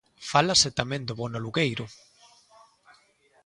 Fálase tamén do bono alugueiro.